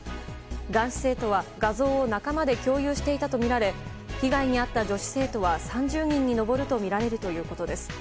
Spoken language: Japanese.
男子生徒は画像を仲間で共有していたとみられ被害に遭った女子生徒は３０人に上るとみられるということです。